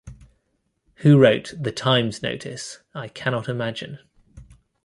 Who wrote "The Times" notice I cannot imagine.